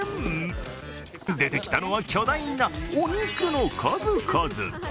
出てきたのは、巨大なお肉の数々。